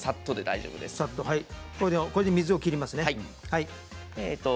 これで水を切りますね。